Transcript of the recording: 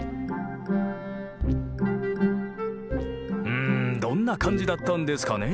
うんどんな感じだったんですかね？